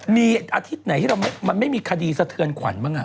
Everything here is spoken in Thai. มีอาทิตย์ไหนที่เรามันไม่มีคดีสะเทือนขวัญบ้าง